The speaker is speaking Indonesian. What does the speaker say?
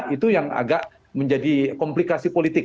itu yang agak menjadi komplikasi politik